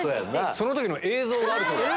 その時の映像があるそうです。